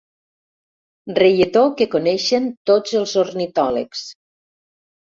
Reietó que coneixen tots els ornitòlegs.